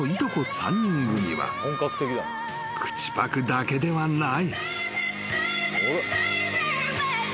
３人組は口パクだけではない］